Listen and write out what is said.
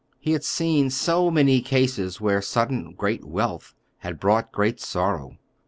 He had seen so many cases where sudden great wealth had brought—great sorrow.